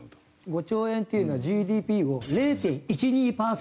５兆円っていうのはＧＤＰを０．１２パーセント上げる効果。